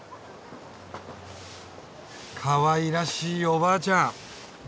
かわいらしいおばあちゃん。